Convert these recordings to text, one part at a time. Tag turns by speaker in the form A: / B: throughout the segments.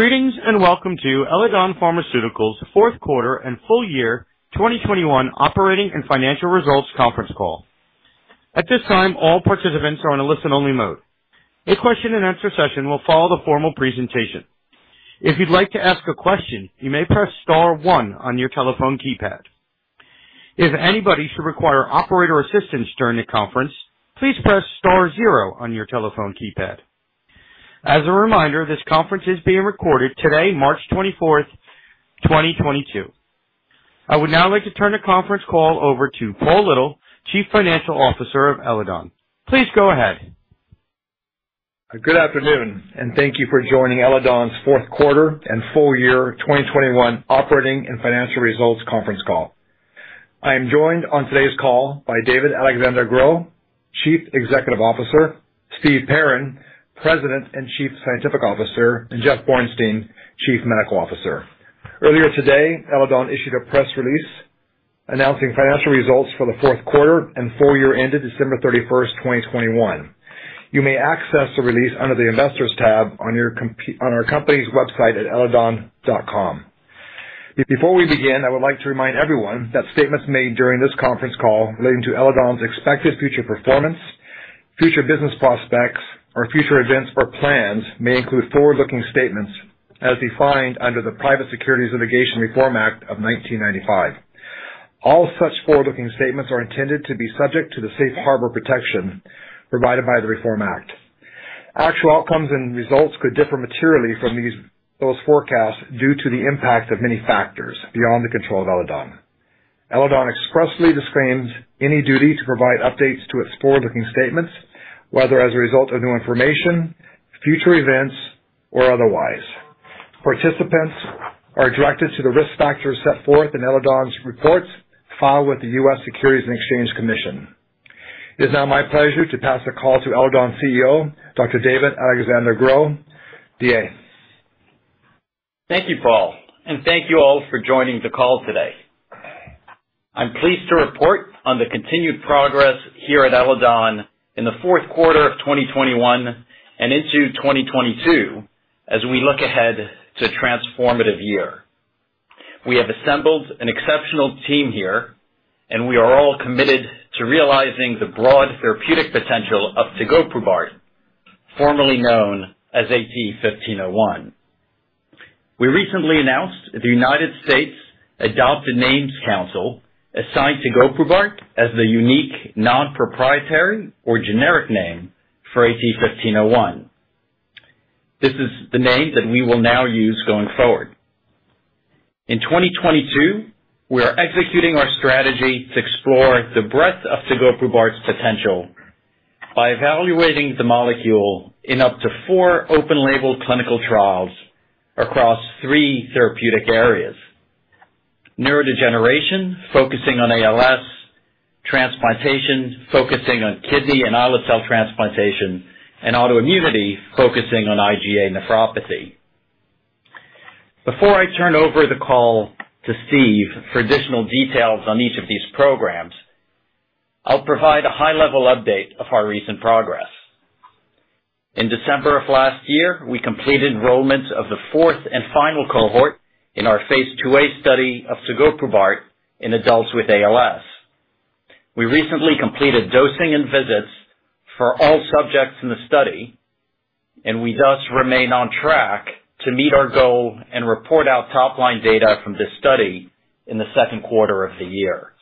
A: Greetings, and welcome to Eledon Pharmaceuticals fourth quarter and full year 2021 operating and financial results conference call. At this time, all participants are on a listen-only mode. A question-and-answer session will follow the formal presentation. If you'd like to ask a question, you may press star one on your telephone keypad. If anybody should require operator assistance during the conference, please press star zero on your telephone keypad. As a reminder, this conference is being recorded today, March 24th, 2022. I would now like to turn the conference call over to Paul Little, Chief Financial Officer of Eledon. Please go ahead.
B: Good afternoon, and thank you for joining Eledon's fourth quarter and full year 2021 operating and financial results conference call. I am joined on today's call by David-Alexandre Gros, Chief Executive Officer, Steve Perrin, President and Chief Scientific Officer, and Jeff Bornstein, Chief Medical Officer. Earlier today, Eledon issued a press release announcing financial results for the fourth quarter and full year ended December 31st, 2021. You may access the release under the Investors tab on our company's website at eledon.com. Before we begin, I would like to remind everyone that statements made during this conference call relating to Eledon's expected future performance, future business prospects or future events or plans may include forward-looking statements as defined under the Private Securities Litigation Reform Act of 1995. All such forward-looking statements are intended to be subject to the safe harbor protection provided by the Reform Act. Actual outcomes and results could differ materially from these, those forecasts due to the impact of many factors beyond the control of Eledon. Eledon expressly disclaims any duty to provide updates to its forward-looking statements, whether as a result of new information, future events, or otherwise. Participants are directed to the risk factors set forth in Eledon's reports filed with the U.S. Securities and Exchange Commission. It is now my pleasure to pass the call to Eledon's CEO, Dr. David-Alexandre Gros. D.A.
C: Thank you, Paul, and thank you all for joining the call today. I'm pleased to report on the continued progress here at Eledon in the fourth quarter of 2021 and into 2022, as we look ahead to a transformative year. We have assembled an exceptional team here, and we are all committed to realizing the broad therapeutic potential of tegoprubart, formerly known as AT-1501. We recently announced the United States Adopted Names Council assigned tegoprubart as the unique non-proprietary or generic name for AT-1501. This is the name that we will now use going forward. In 2022, we are executing our strategy to explore the breadth of tegoprubart's potential by evaluating the molecule in up to four open label clinical trials across three therapeutic areas: neurodegeneration, focusing on ALS; transplantation, focusing on kidney and islet cell transplantation; and autoimmunity, focusing on IgA nephropathy. Before I turn over the call to Steve for additional details on each of these programs, I'll provide a high-level update of our recent progress. In December of last year, we completed enrollment of the fourth and final cohort in our phase II-A study of tegoprubart in adults with ALS. We recently completed dosing and visits for all subjects in the study, and we thus remain on track to meet our goal and report out top-line data from this study in the second quarter of the year.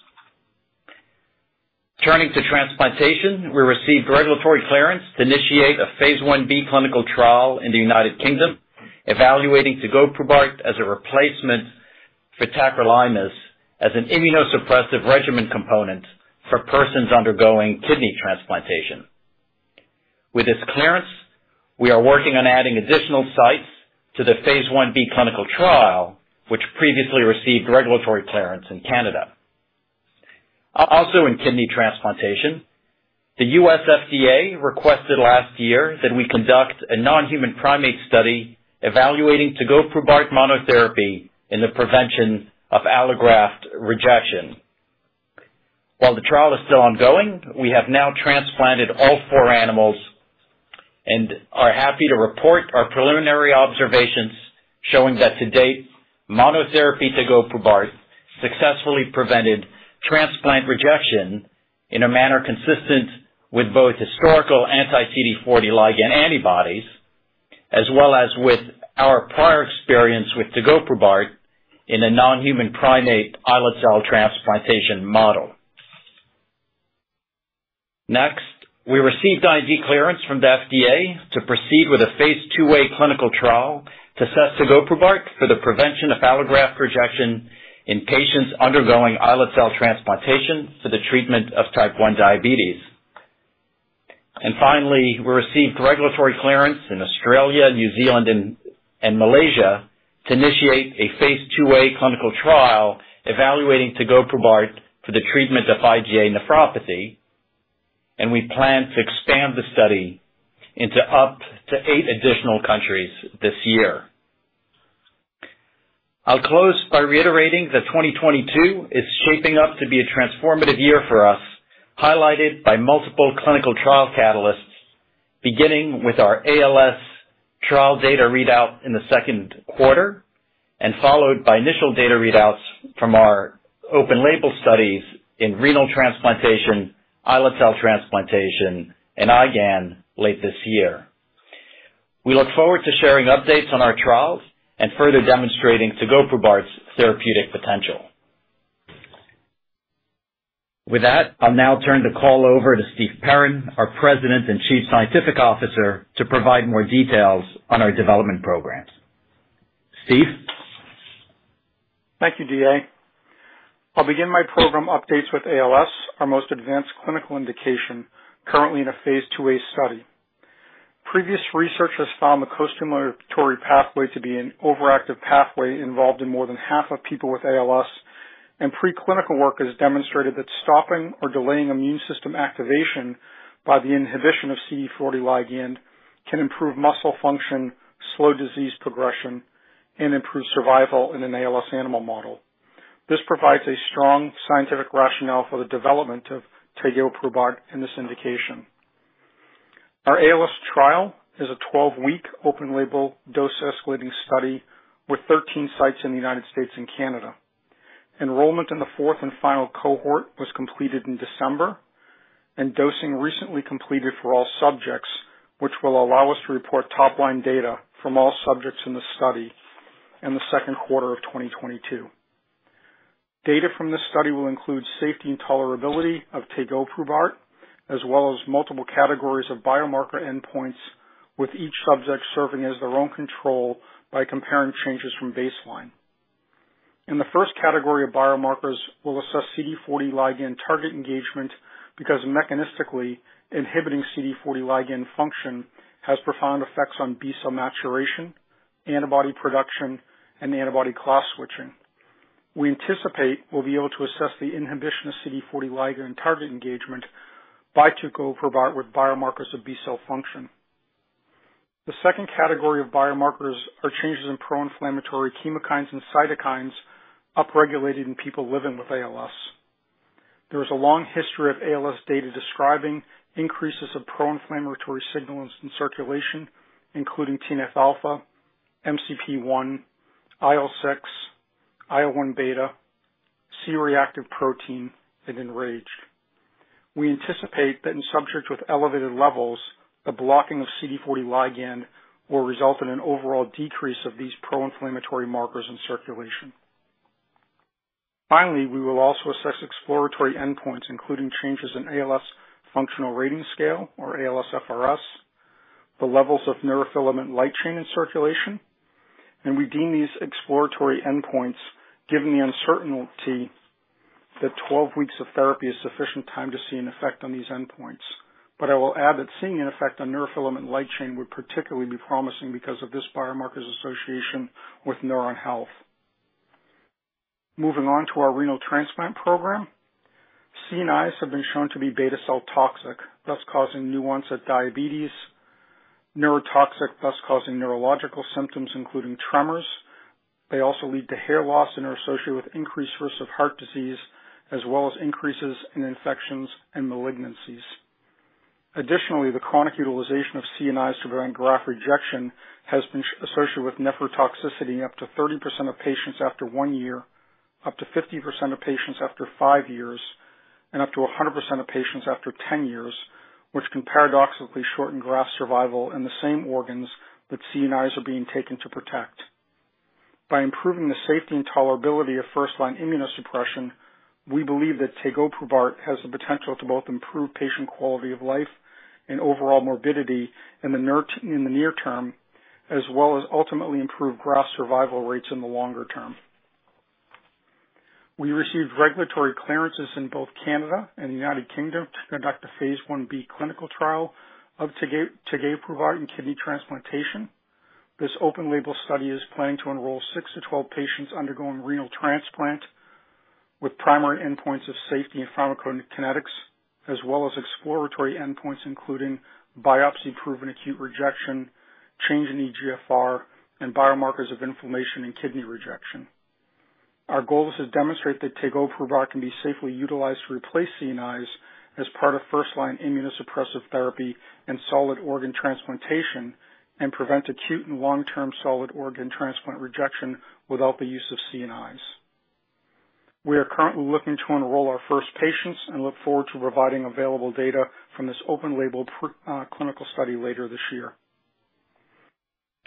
C: Turning to transplantation, we received regulatory clearance to initiate a phase I-B clinical trial in the United Kingdom, evaluating tegoprubart as a replacement for tacrolimus as an immunosuppressive regimen component for persons undergoing kidney transplantation. With this clearance, we are working on adding additional sites to the phase I-B clinical trial, which previously received regulatory clearance in Canada. Also in kidney transplantation, the U.S. FDA requested last year that we conduct a non-human primate study evaluating tegoprubart monotherapy in the prevention of allograft rejection. While the trial is still ongoing, we have now transplanted all four animals and are happy to report our preliminary observations showing that to date, monotherapy tegoprubart successfully prevented transplant rejection in a manner consistent with both historical anti-CD40 ligand antibodies as well as with our prior experience with tegoprubart in a non-human primate islet cell transplantation model. Next, we received IND clearance from the FDA to proceed with a phase II-A clinical trial to test tegoprubart for the prevention of allograft rejection in patients undergoing islet cell transplantation for the treatment of type 1 diabetes. Finally, we received regulatory clearance in Australia, New Zealand, and Malaysia to initiate a phase II-A clinical trial evaluating tegoprubart for the treatment of IgA nephropathy, and we plan to expand the study into up to eight additional countries this year. I'll close by reiterating that 2022 is shaping up to be a transformative year for us, highlighted by multiple clinical trial catalysts, beginning with our ALS trial data readout in the second quarter, and followed by initial data readouts from our open label studies in renal transplantation, islet cell transplantation, and IgAN late this year. We look forward to sharing updates on our trials and further demonstrating tegoprubart's therapeutic potential. With that, I'll now turn the call over to Steve Perrin, our President and Chief Scientific Officer, to provide more details on our development programs. Steve?
D: Thank you, D.A. I'll begin my program updates with ALS, our most advanced clinical indication currently in a phase II-A study. Previous research has found the costimulatory pathway to be an overactive pathway involved in more than half of people with ALS, and preclinical work has demonstrated that stopping or delaying immune system activation by the inhibition of CD40 ligand can improve muscle function, slow disease progression, and improve survival in an ALS animal model. This provides a strong scientific rationale for the development of tegoprubart in this indication. Our ALS trial is a 12-week open label dose escalating study with 13 sites in the United States and Canada. Enrollment in the fourth and final cohort was completed in December, and dosing recently completed for all subjects, which will allow us to report top line data from all subjects in the study in the second quarter of 2022. Data from this study will include safety and tolerability of tegoprubart, as well as multiple categories of biomarker endpoints, with each subject serving as their own control by comparing changes from baseline. In the first category of biomarkers, we'll assess CD40 ligand target engagement because mechanistically inhibiting CD40 ligand function has profound effects on B-cell maturation, antibody production, and antibody class switching. We anticipate we'll be able to assess the inhibition of CD40 ligand target engagement by tegoprubart with biomarkers of B-cell function. The second category of biomarkers are changes in proinflammatory chemokines and cytokines upregulated in people living with ALS. There is a long history of ALS data describing increases of proinflammatory signals in circulation, including TNF-α, MCP-1, IL-6, IL-1β, C-reactive protein, and EN-RAGE. We anticipate that in subjects with elevated levels, the blocking of CD40 ligand will result in an overall decrease of these proinflammatory markers in circulation. Finally, we will also assess exploratory endpoints, including changes in ALS Functional Rating Scale, or ALSFRS, the levels of neurofilament light chain in circulation, and we deem these exploratory endpoints given the uncertainty that 12 weeks of therapy is sufficient time to see an effect on these endpoints. I will add that seeing an effect on neurofilament light chain would particularly be promising because of this biomarker's association with neuron health. Moving on to our renal transplant program. CNIs have been shown to be beta cell toxic, thus causing incidence of diabetes, neurotoxic, thus causing neurological symptoms, including tremors. They also lead to hair loss and are associated with increased risk of heart disease, as well as increases in infections and malignancies. Additionally, the chronic utilization of CNIs to prevent graft rejection has been associated with nephrotoxicity in up to 30% of patients after one year, up to 50% of patients after five years, and up to 100% of patients after 10 years, which can paradoxically shorten graft survival in the same organs that CNIs are being taken to protect. By improving the safety and tolerability of first-line immunosuppression, we believe that tegoprubart has the potential to both improve patient quality of life and overall morbidity in the near term, as well as ultimately improve graft survival rates in the longer term. We received regulatory clearances in both Canada and the United Kingdom to conduct a phase I-B clinical trial of tegoprubart in kidney transplantation. This open label study is planning to enroll six-12 patients undergoing renal transplant with primary endpoints of safety and pharmacokinetics, as well as exploratory endpoints, including biopsy-proven acute rejection, change in eGFR, and biomarkers of inflammation and kidney rejection. Our goal is to demonstrate that tegoprubart can be safely utilized to replace CNIs as part of first-line immunosuppressive therapy in solid organ transplantation, and prevent acute and long-term solid organ transplant rejection without the use of CNIs. We are currently looking to enroll our first patients and look forward to providing available data from this open label clinical study later this year.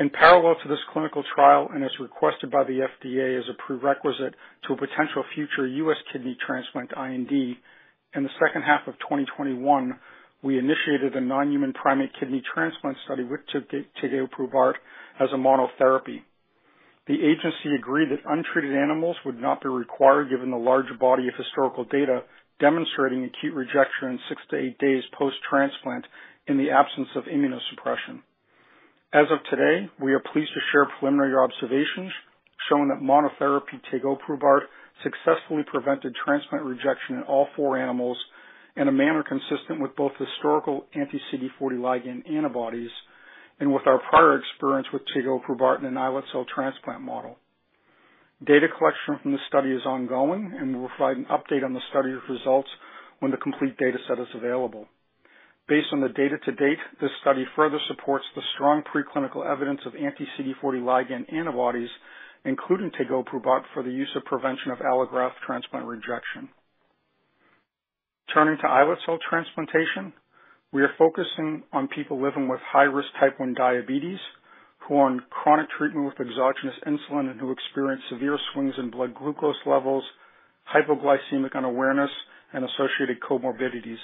D: In parallel to this clinical trial, and as requested by the FDA as a prerequisite to a potential future U.S. kidney transplant IND, in the second half of 2021, we initiated a non-human primate kidney transplant study with tegoprubart as a monotherapy. The agency agreed that untreated animals would not be required given the large body of historical data demonstrating acute rejection in six to eight days post-transplant in the absence of immunosuppression. As of today, we are pleased to share preliminary observations showing that monotherapy tegoprubart successfully prevented transplant rejection in all four animals. In a manner consistent with both historical anti-CD40 ligand antibodies and with our prior experience with tegoprubart in an islet cell transplant model. Data collection from the study is ongoing, and we'll provide an update on the study results when the complete data set is available. Based on the data to date, this study further supports the strong preclinical evidence of anti-CD40 ligand antibodies, including tegoprubart, for the use of prevention of allograft transplant rejection. Turning to islet cell transplantation, we are focusing on people living with high-risk type 1 diabetes, who are on chronic treatment with exogenous insulin and who experience severe swings in blood glucose levels, hypoglycemic unawareness, and associated comorbidities.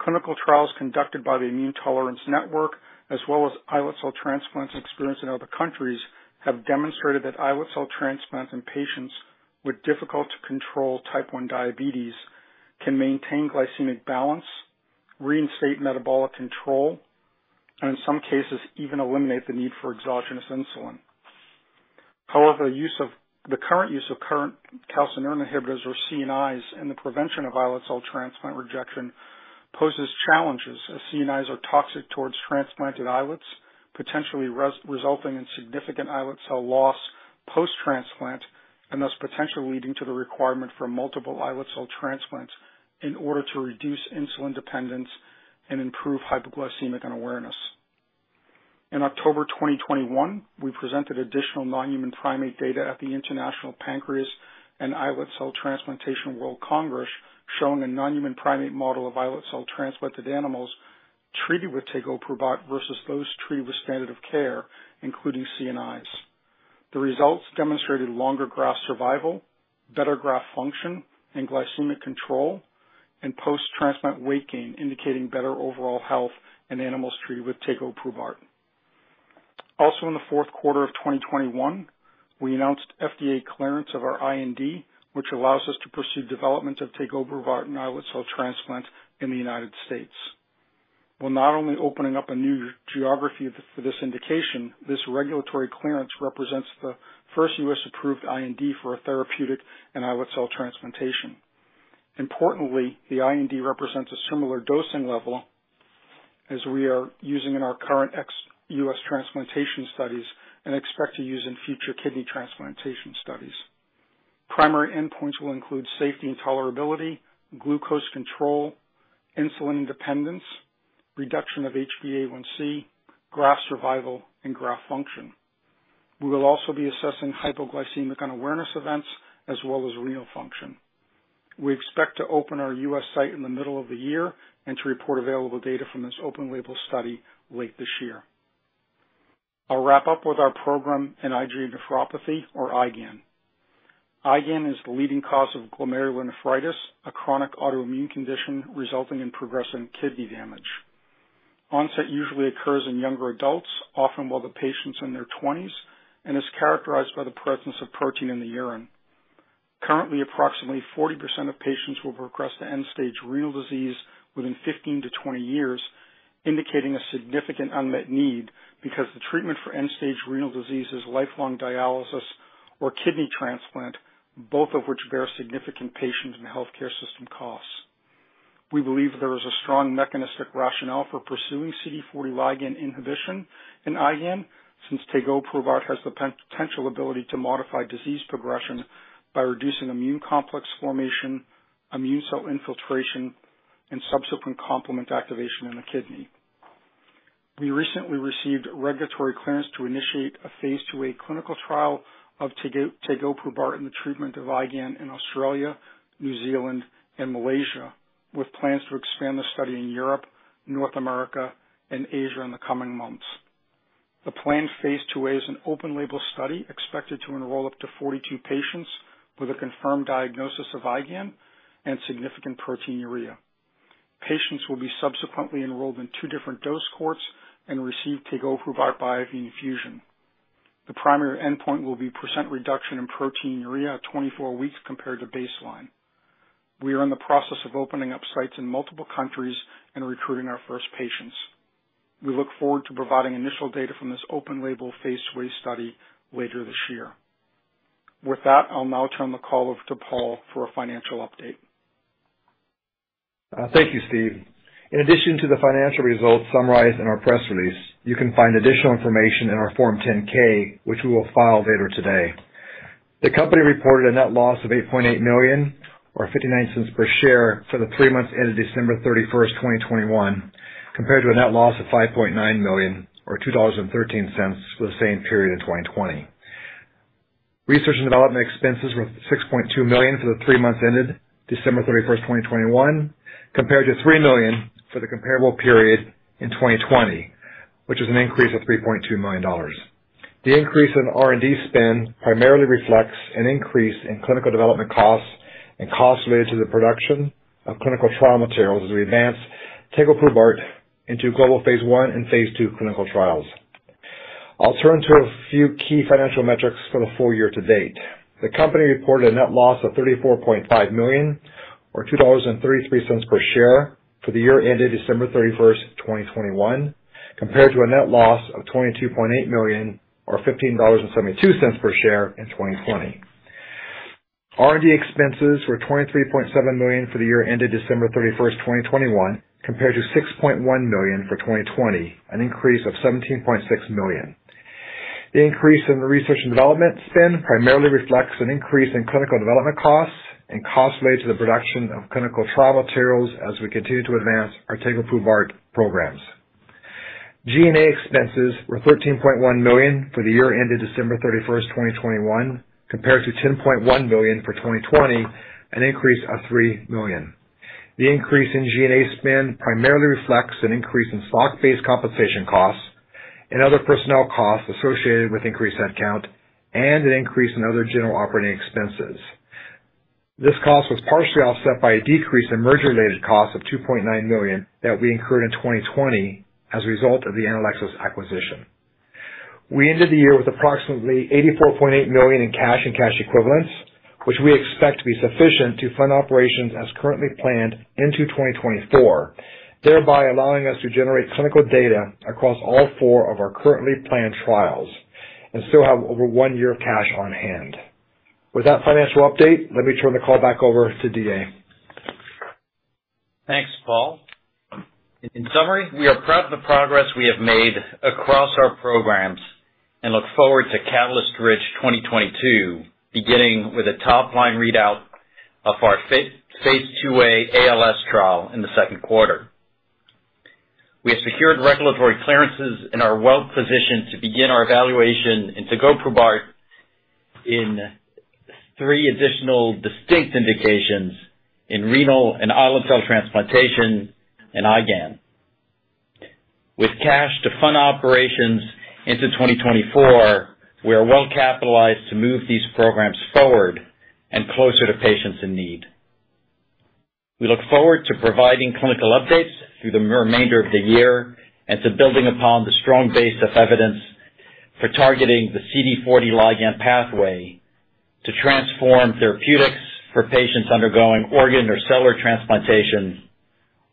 D: Clinical trials conducted by the Immune Tolerance Network, as well as islet cell transplant experience in other countries, have demonstrated that islet cell transplants in patients with difficult-to-control type 1 diabetes can maintain glycemic balance, reinstate metabolic control, and in some cases, even eliminate the need for exogenous insulin. However, the current use of calcineurin inhibitors, or CNIs, in the prevention of islet cell transplant rejection poses challenges, as CNIs are toxic towards transplanted islets, potentially resulting in significant islet cell loss post-transplant, and thus potentially leading to the requirement for multiple islet cell transplants in order to reduce insulin dependence and improve hypoglycemic unawareness. In October 2021, we presented additional non-human primate data at the International Pancreas and Islet Cell Transplantation World Congress, showing a non-human primate model of islet cell transplanted animals treated with tegoprubart versus those treated with standard of care, including CNIs. The results demonstrated longer graft survival, better graft function and glycemic control, and post-transplant weight gain, indicating better overall health in animals treated with tegoprubart. Also, in the fourth quarter of 2021, we announced FDA clearance of our IND, which allows us to pursue development of tegoprubart in islet cell transplant in the United States. While not only opening up a new geography for this indication, this regulatory clearance represents the first U.S.-approved IND for a therapeutic in islet cell transplantation. Importantly, the IND represents a similar dosing level as we are using in our current ex-U.S. transplantation studies and expect to use in future kidney transplantation studies. Primary endpoints will include safety and tolerability, glucose control, insulin dependence, reduction of HbA1c, graft survival, and graft function. We will also be assessing hypoglycemic unawareness events as well as renal function. We expect to open our U.S. site in the middle of the year and to report available data from this open label study late this year. I'll wrap up with our program in IgA nephropathy or IgAN. IgAN is the leading cause of glomerulonephritis, a chronic autoimmune condition resulting in progressive kidney damage. Onset usually occurs in younger adults, often while the patient's in their twenties, and is characterized by the presence of protein in the urine. Currently, approximately 40% of patients will progress to end-stage renal disease within 15-20 years, indicating a significant unmet need because the treatment for end-stage renal disease is lifelong dialysis or kidney transplant, both of which bear significant patient and healthcare system costs. We believe there is a strong mechanistic rationale for pursuing CD40 ligand inhibition in IgAN, since tegoprubart has the potential ability to modify disease progression by reducing immune complex formation, immune cell infiltration, and subsequent complement activation in the kidney. We recently received regulatory clearance to initiate a phase II-A clinical trial of tegoprubart in the treatment of IgAN in Australia, New Zealand, and Malaysia, with plans to expand the study in Europe, North America, and Asia in the coming months. The planned phase II-A is an open label study expected to enroll up to 42 patients with a confirmed diagnosis of IgAN and significant proteinuria. Patients will be subsequently enrolled in two different dose cohorts and receive tegoprubart via infusion. The primary endpoint will be percent reduction in proteinuria at 24 weeks compared to baseline. We are in the process of opening up sites in multiple countries and recruiting our first patients. We look forward to providing initial data from this open label phase II-A study later this year. With that, I'll now turn the call over to Paul for a financial update.
B: Thank you, Steve. In addition to the financial results summarized in our press release, you can find additional information in our Form 10-K, which we will file later today. The company reported a net loss of $8.8 million or $0.59 per share for the three months ended December 31st, 2021, compared to a net loss of $5.9 million or $2.13 for the same period in 2020. Research and development expenses were $6.2 million for the three months ended December 31st, 2021, compared to $3 million for the comparable period in 2020, which is an increase of $3.2 million. The increase in R&D spend primarily reflects an increase in clinical development costs and costs related to the production of clinical trial materials as we advance tegoprubart into global phase I and phase II clinical trials. I'll turn to a few key financial metrics for the full year to date. The company reported a net loss of $34.5 million or $2.33 per share for the year ended December 31st, 2021. Compared to a net loss of $22.8 million or $15.72 per share in 2020. R&D expenses were $23.7 million for the year ended December 31st, 2021, compared to $6.1 million for 2020, an increase of $17.6 million. The increase in research and development spend primarily reflects an increase in clinical development costs and costs related to the production of clinical trial materials as we continue to advance our tegoprubart programs. G&A expenses were $13.1 million for the year ended December 31st, 2021, compared to $10.1 million for 2020, an increase of $3 million. The increase in G&A spend primarily reflects an increase in stock-based compensation costs and other personnel costs associated with increased headcount and an increase in other general operating expenses. This cost was partially offset by a decrease in merger-related costs of $2.9 million that we incurred in 2020 as a result of the Anelixis acquisition. We ended the year with approximately $84.8 million in cash and cash equivalents, which we expect to be sufficient to fund operations as currently planned into 2024, thereby allowing us to generate clinical data across all four of our currently planned trials and still have over one year of cash on hand. With that financial update, let me turn the call back over to D.A.
C: Thanks, Paul. In summary, we are proud of the progress we have made across our programs and look forward to catalyst-rich 2022, beginning with a top-line readout of our phase II-A ALS trial in the second quarter. We have secured regulatory clearances and are well-positioned to begin our evaluation into tegoprubart in three additional distinct indications in renal and islet cell transplantation and IgAN. With cash to fund operations into 2024, we are well-capitalized to move these programs forward and closer to patients in need. We look forward to providing clinical updates through the remainder of the year and to building upon the strong base of evidence for targeting the CD40 ligand pathway to transform therapeutics for patients undergoing organ or cellular transplantation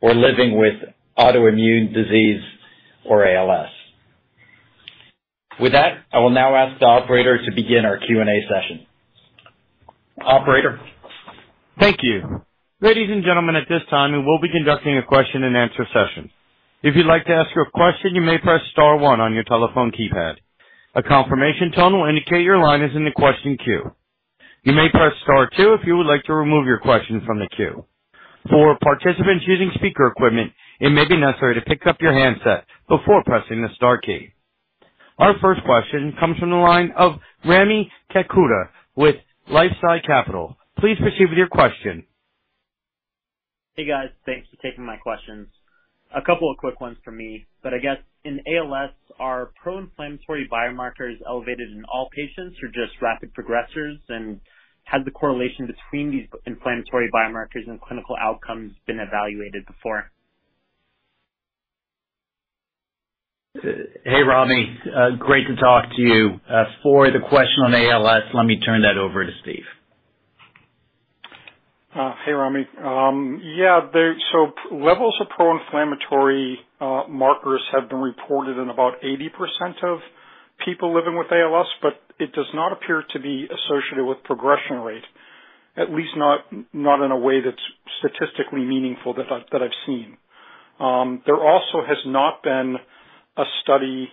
C: or living with autoimmune disease or ALS. With that, I will now ask the operator to begin our Q&A session. Operator?
A: Thank you. Ladies and gentlemen, at this time, we will be conducting a question-and-answer session. If you'd like to ask your question, you may press star one on your telephone keypad. A confirmation tone will indicate your line is in the question queue. You may press star two if you would like to remove your question from the queue. For participants using speaker equipment, it may be necessary to pick up your handset before pressing the star key. Our first question comes from the line of Rami Katkhuda with LifeSci Capital. Please proceed with your question.
E: Hey, guys. Thanks for taking my questions. A couple of quick ones from me, but I guess in ALS, are pro-inflammatory biomarkers elevated in all patients or just rapid progressors? And has the correlation between these inflammatory biomarkers and clinical outcomes been evaluated before?
C: Hey, Rami. Great to talk to you. For the question on ALS, let me turn that over to Steve.
D: Hey, Rami. Yeah, levels of pro-inflammatory markers have been reported in about 80% of people living with ALS, but it does not appear to be associated with progression rate, at least not in a way that's statistically meaningful that I've seen. There also has not been a study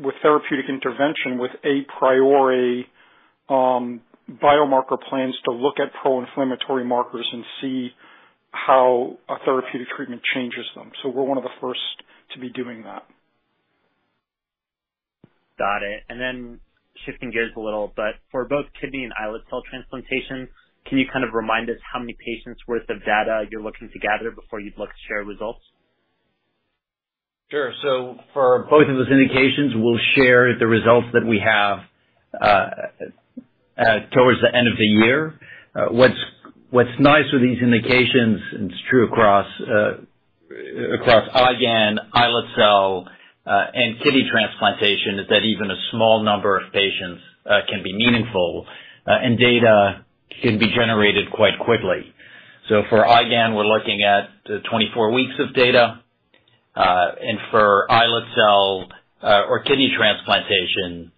D: with therapeutic intervention with a priori biomarker plans to look at pro-inflammatory markers and see how a therapeutic treatment changes them. We're one of the first to be doing that.
E: Got it. Shifting gears a little, but for both kidney and islet cell transplantation, can you kind of remind us how many patients worth of data you're looking to gather before you'd look to share results?
C: Sure. For both of those indications, we'll share the results that we have towards the end of the year. What's nice with these indications, and it's true across IgAN, islet cell, and kidney transplantation, is that even a small number of patients can be meaningful, and data can be generated quite quickly. For IgAN, we're looking at 24 weeks of data. For islet cell or kidney transplantation,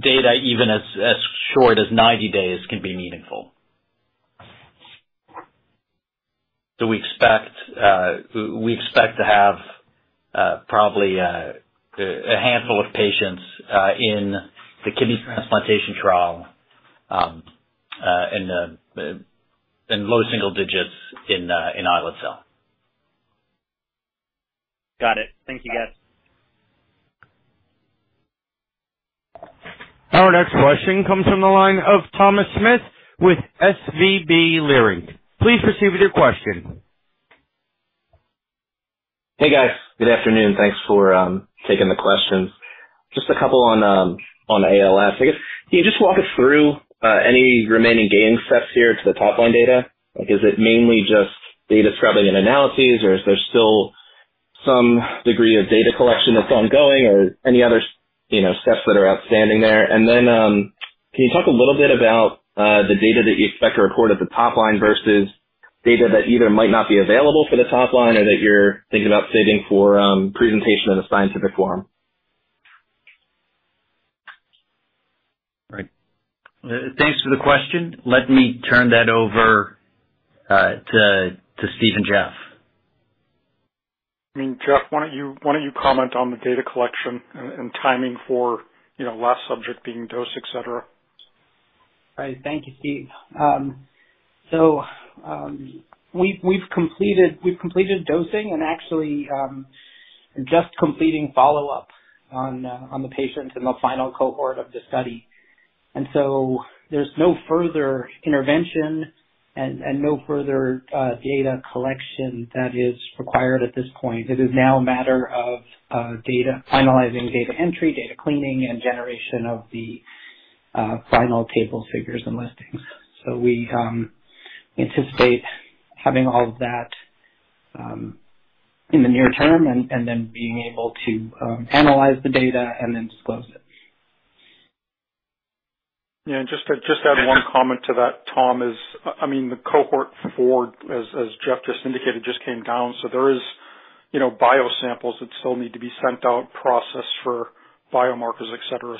C: data even as short as 90 days can be meaningful. We expect to have probably a handful of patients in the kidney transplantation trial, in low single digits in islet cell.
E: Got it. Thank you, guys.
A: Our next question comes from the line of Thomas Smith with SVB Leerink. Please proceed with your question.
F: Hey, guys. Good afternoon. Thanks for taking the questions. Just a couple on ALS. I guess, can you just walk us through any remaining gating steps here to the top line data? Like, is it mainly just data scrubbing and analyses, or is there still- Some degree of data collection that's ongoing or any other, you know, steps that are outstanding there. Can you talk a little bit about the data that you expect to report at the top line versus data that either might not be available for the top line or that you're thinking about saving for presentation in a scientific forum?
C: Right. Thanks for the question. Let me turn that over to Steve and Jeff.
D: I mean, Jeff, why don't you comment on the data collection and timing for, you know, last subject being dosed, et cetera?
G: Right. Thank you, Steve. We've completed dosing and actually just completing follow-up on the patients in the final cohort of the study. There's no further intervention and no further data collection that is required at this point. It is now a matter of finalizing data entry, data cleaning, and generation of the final tables, figures, and listings. We anticipate having all of that in the near term and then being able to analyze the data and then disclose it.
D: Yeah, just to add one comment to that, Tom. I mean the cohort four, as Jeff just indicated, just came down, so there is, you know, bio samples that still need to be sent out, processed for biomarkers, et cetera.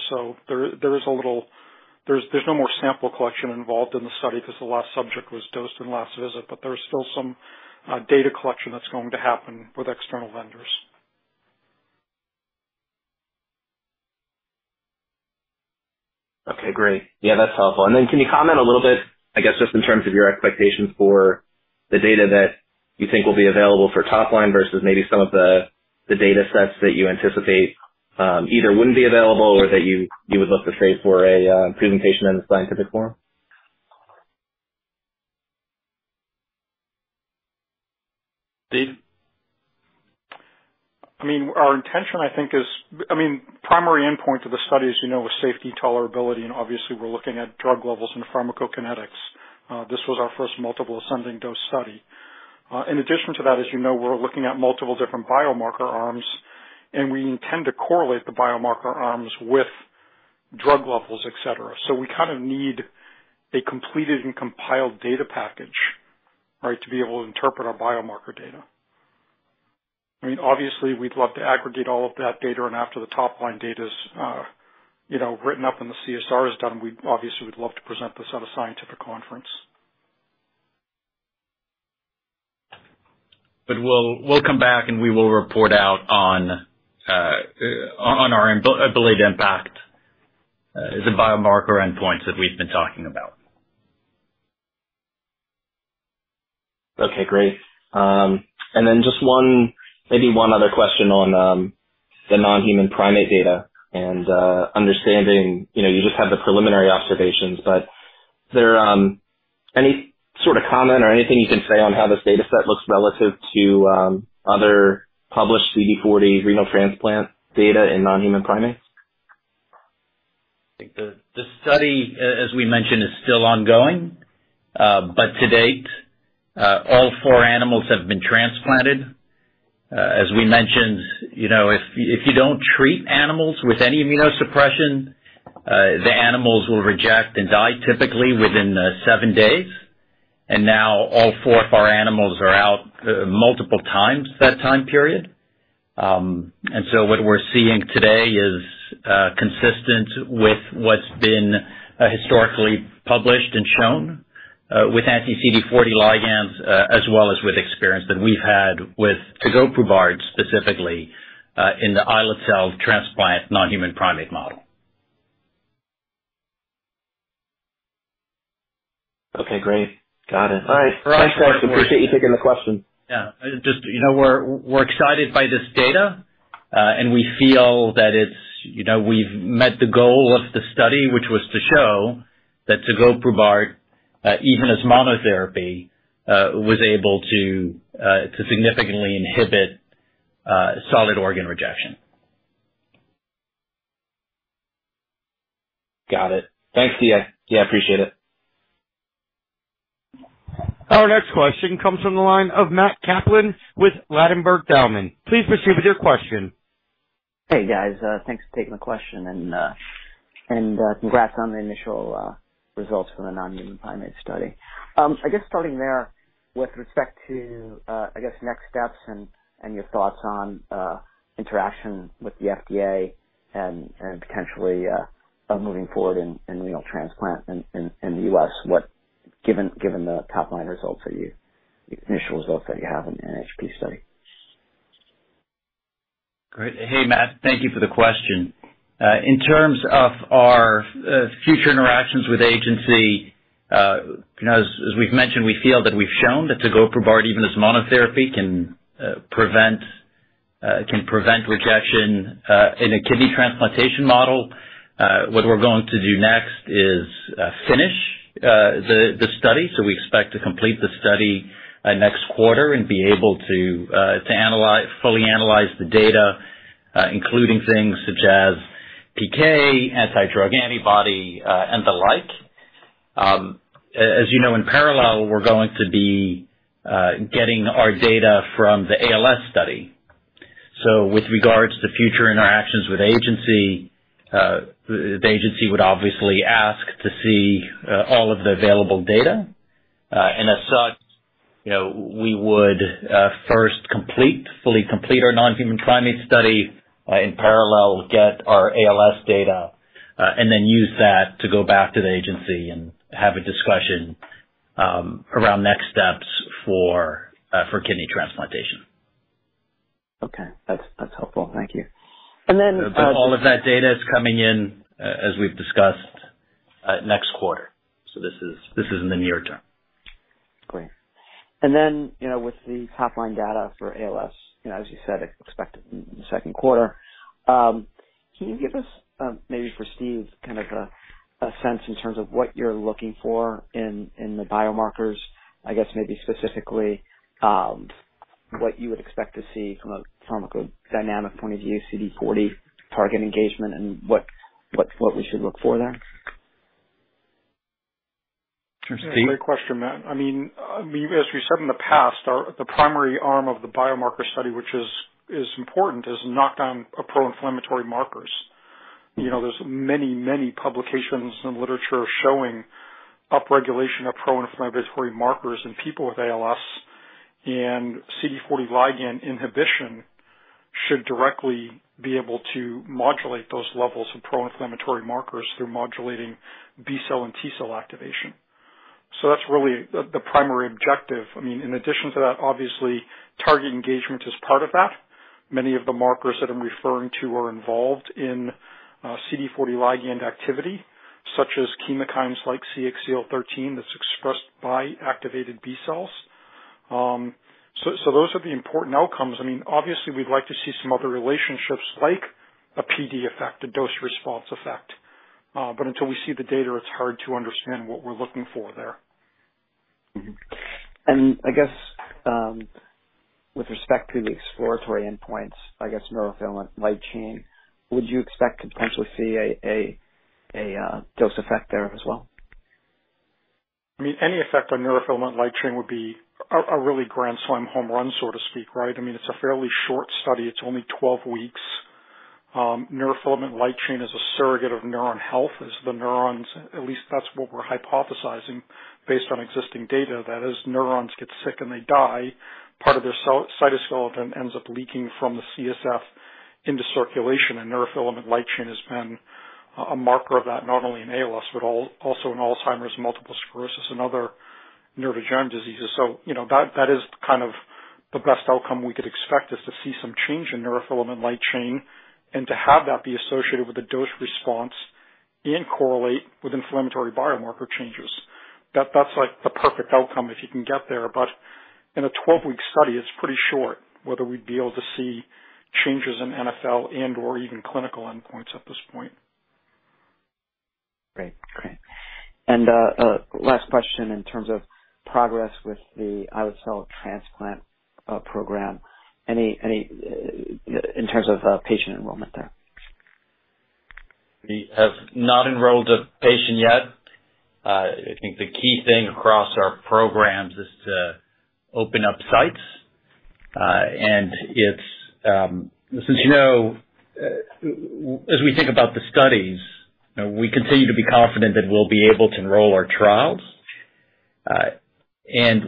D: There's no more sample collection involved in the study because the last subject was dosed in last visit, but there's still some data collection that's going to happen with external vendors.
F: Okay, great. Yeah, that's helpful. Can you comment a little bit, I guess, just in terms of your expectations for the data that you think will be available for top line versus maybe some of the data sets that you anticipate either wouldn't be available or that you would look to save for a presentation in the scientific forum?
C: Steve?
D: I mean, primary endpoint of the study, as you know, was safety, tolerability, and obviously we're looking at drug levels and pharmacokinetics. This was our first multiple ascending dose study. In addition to that, as you know, we're looking at multiple different biomarker arms, and we intend to correlate the biomarker arms with drug levels, et cetera. We kind of need a completed and compiled data package, right, to be able to interpret our biomarker data. I mean, obviously we'd love to aggregate all of that data and after the top-line data's, you know, written up and the CSR is done, we obviously would love to present this at a scientific conference.
C: We'll come back and we will report out on our impact, the biomarker endpoints that we've been talking about.
F: Okay, great. Then just one, maybe one other question on the nonhuman primate data and understanding, you know, you just had the preliminary observations, but there any sort of comment or anything you can say on how this data set looks relative to other published CD40 renal transplant data in nonhuman primates?
C: The study, as we mentioned, is still ongoing. But to date, all four animals have been transplanted. As we mentioned, you know, if you don't treat animals with any immunosuppression, the animals will reject and die typically within seven days. Now all four of our animals are out multiple times that time period. What we're seeing today is consistent with what's been historically published and shown with anti-CD40 ligands, as well as with experience that we've had with tegoprubart specifically in the islet cell transplant non-human primate model.
F: Okay, great. Got it. All right. Thanks so much. Appreciate you taking the question.
C: Yeah. Just, you know, we're excited by this data, and we feel that it's, you know, we've met the goal of the study, which was to show that tegoprubart, even as monotherapy, was able to significantly inhibit solid organ rejection.
F: Got it. Thanks. See ya. Yeah, appreciate it.
A: Our next question comes from the line of Matt Kaplan with Ladenburg Thalmann. Please proceed with your question.
H: Hey, guys. Thanks for taking the question and congrats on the initial results from the non-human primate study. I guess starting there with respect to next steps and your thoughts on interaction with the FDA and potentially moving forward in renal transplant in the U.S., what, given the top line results, the initial results that you have in the NHP study.
C: Great. Hey, Matt. Thank you for the question. In terms of our future interactions with agency, you know, as we've mentioned, we feel that we've shown that tegoprubart even as monotherapy can prevent rejection in a kidney transplantation model. What we're going to do next is finish the study. We expect to complete the study next quarter and be able to fully analyze the data, including things such as PK, anti-drug antibody, and the like. As you know, in parallel, we're going to be getting our data from the ALS study. With regards to future interactions with agency, the agency would obviously ask to see all of the available data. As such, you know, we would first fully complete our non-human primate study in parallel, get our ALS data, and then use that to go back to the agency and have a discussion around next steps for kidney transplantation.
H: Okay. That's helpful. Thank you.
C: All of that data is coming in, as we've discussed, next quarter. This is in the near term.
H: Great. You know, with the top line data for ALS, you know, as you said, expected in the second quarter, can you give us, maybe for Steve, kind of a sense in terms of what you're looking for in the biomarkers? I guess maybe specifically, what you would expect to see from a pharmacodynamic point of view, CD40 target engagement, and what we should look for there.
C: Steve?
D: Great question, Matt. I mean, as we said in the past, the primary arm of the biomarker study, which is important, is knock down of pro-inflammatory markers. You know, there's many, many publications and literature showing upregulation of pro-inflammatory markers in people with ALS and CD40 ligand inhibition should directly be able to modulate those levels of pro-inflammatory markers through modulating B-cell and T-cell activation. That's really the primary objective. I mean, in addition to that, obviously target engagement is part of that. Many of the markers that I'm referring to are involved in CD40 ligand activity, such as chemokines like CXCL13 that's expressed by activated B-cells. Those are the important outcomes. I mean, obviously we'd like to see some other relationships like a PD effect, a dose response effect. Until we see the data, it's hard to understand what we're looking for there.
H: I guess, with respect to the exploratory endpoints, I guess neurofilament light chain, would you expect to potentially see a dose effect there as well?
D: I mean, any effect on neurofilament light chain would be a really grand slam home run, so to speak, right? I mean, it's a fairly short study. It's only 12 weeks. Neurofilament light chain is a surrogate of neuron health. As the neurons, at least that's what we're hypothesizing based on existing data, that as neurons get sick and they die, part of their cell cytoskeleton ends up leaking from the CSF into circulation, and neurofilament light chain has been a marker of that, not only in ALS, but also in Alzheimer's, multiple sclerosis and other neurodegenerative diseases. You know, that is kind of the best outcome we could expect, is to see some change in neurofilament light chain and to have that be associated with a dose response and correlate with inflammatory biomarker changes. That is like the perfect outcome if you can get there. In a 12-week study, it's pretty short whether we'd be able to see changes in NFL and/or even clinical endpoints at this point.
H: Great. Last question. In terms of in terms of progress with the islet cell transplant program. In terms of patient enrollment there.
C: We have not enrolled a patient yet. I think the key thing across our programs is to open up sites. It's since you know, as we think about the studies, you know, we continue to be confident that we'll be able to enroll our trials.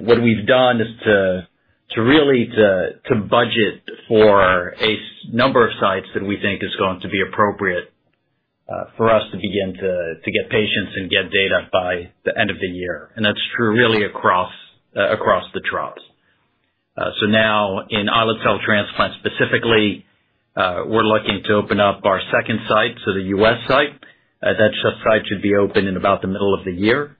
C: What we've done is to really budget for a sufficient number of sites that we think is going to be appropriate, for us to begin to get patients and get data by the end of the year. That's true really across the trials. Now in islet cell transplant specifically, we're looking to open up our second site, so the U.S. site. That site should be open in about the middle of the year,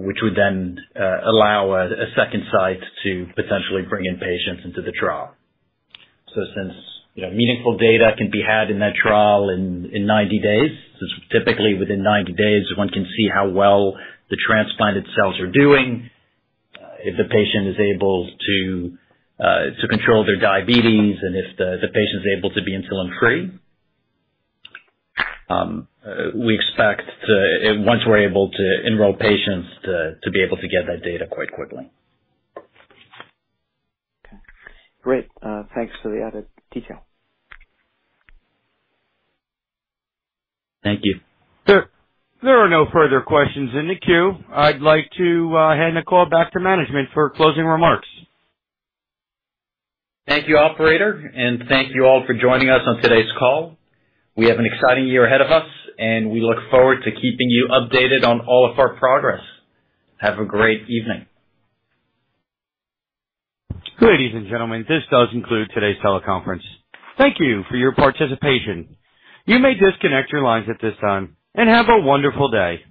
C: which would then allow a second site to potentially bring in patients into the trial. Since, you know, meaningful data can be had in that trial in 90 days, since typically within 90 days, one can see how well the transplanted cells are doing, if the patient is able to control their diabetes and if the patient is able to be insulin free, we expect, once we're able to enroll patients, to be able to get that data quite quickly.
H: Okay, great. Thanks for the added detail.
C: Thank you.
A: There are no further questions in the queue. I'd like to hand the call back to management for closing remarks.
C: Thank you, operator. Thank you all for joining us on today's call. We have an exciting year ahead of us, and we look forward to keeping you updated on all of our progress. Have a great evening.
A: Ladies and gentlemen, this does conclude today's teleconference. Thank you for your participation. You may disconnect your lines at this time, and have a wonderful day.